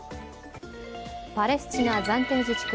パレスチナ暫定自治区